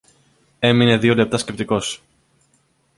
Έμεινε δυο λεπτά σκεπτικός.